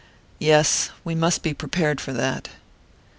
"Yes we must be prepared for that."